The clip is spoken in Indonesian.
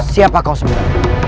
siapa kau sendiri